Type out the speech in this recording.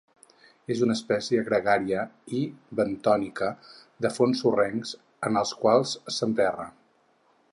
És una espècie gregària i bentònica de fons sorrencs, en els quals s'enterra.